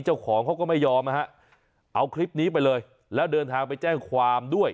เจ้าของเขาก็ไม่ยอมนะฮะเอาคลิปนี้ไปเลยแล้วเดินทางไปแจ้งความด้วย